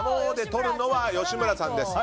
取るのは吉村さんです。